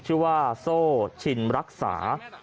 ชื่อว่าโซ่ชินรักษา